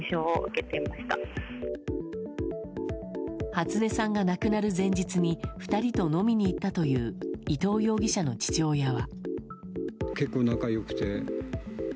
初音さんが亡くなる前日に２人と飲みに行ったという伊藤容疑者の父親は。